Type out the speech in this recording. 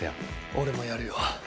俺もやるよ。